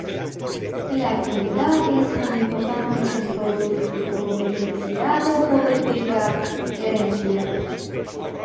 En la actualidad es un importante centro turístico beneficiado por rica herencia.